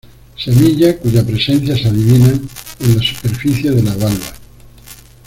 Semilla cuya presencia se adivina en la superficie de la valva.